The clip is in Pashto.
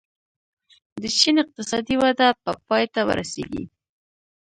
د چین اقتصادي وده به پای ته ورسېږي.